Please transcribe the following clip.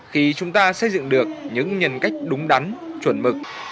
khi chúng ta xây dựng được những nhân cách đúng đắn chuẩn mực